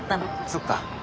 そうか。